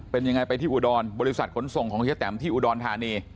เป็นยังไงไปที่อุดรบริษัทขนส่งของเฮียแตมที่อุดรธานี